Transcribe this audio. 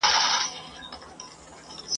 پر هغې ورځي لعنت سمه ویلای ..